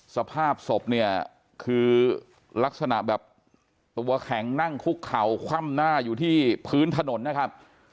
สภาพศพเนี่ยคือลักษณะแบบตัวแข็งนั่งคุกเข่าคว่ำหน้าอยู่ที่พื้นถนนนะครับ